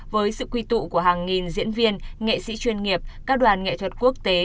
với sự quy tụ của hàng nghìn diễn viên nghệ sĩ chuyên nghiệp các đoàn nghệ thuật quốc tế